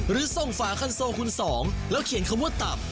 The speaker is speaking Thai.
หรือส่งฝาคันโซคุณสองแล้วเขียนคำว่าตับ